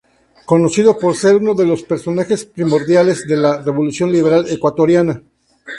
Conocido por ser uno de los personajes primordiales de la revolución liberal ecuatoriana.